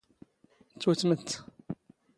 ⵜⵓⵜⵎⵜ ⵜ?